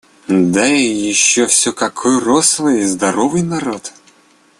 Да еще всё какой рослый и здоровый народ!